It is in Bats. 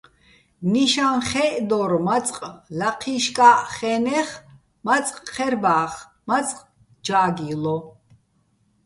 ნიშაჼ ხე́ჸდორ მაწყ ლაჴიშკა́ჸ ხე́ნეხ, მაწყ ჴერბა́ხ, მაწყ ჯა́გილო.